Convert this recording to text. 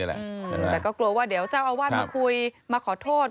แต่กลัวเจ้าอาวาสจะมาคอยมาขอโทษ